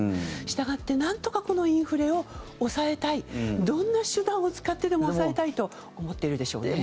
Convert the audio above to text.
したがってなんとかこのインフレを抑えたいどんな手段を使ってでも抑えたいと思っているでしょうね。